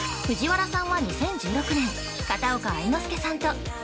藤原さんは２０１６年、片岡愛之助さんと。